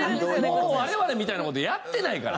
もう我々みたいな事やってないから。